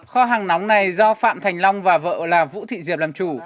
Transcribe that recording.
kho hàng nóng này do phạm thành long và vợ là vũ thị diệp làm chủ